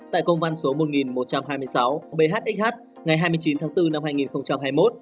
tại công văn số một nghìn một trăm hai mươi sáu bhxh ngày hai mươi chín tháng bốn năm hai nghìn hai mươi một